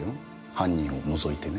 犯人を除いてね。